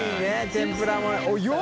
天ぷらも。